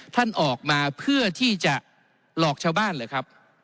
ท่านออกมาเพื่อที่จะหลอกชาวบ้านเหรอครับ